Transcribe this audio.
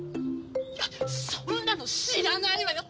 いやそんなの知らないわよ。